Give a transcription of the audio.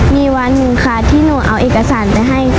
มีวันหนึ่งค่ะที่หนูเอาเอกสารไปให้